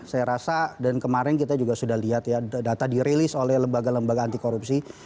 saya rasa dan kemarin kita juga sudah lihat ya data dirilis oleh lembaga lembaga anti korupsi